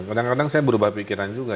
kadang kadang saya berubah pikiran juga